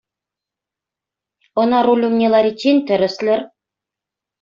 Ӑна руль умне лариччен тӗрӗслӗр.